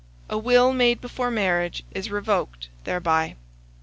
A will made before marriage is revoked thereby.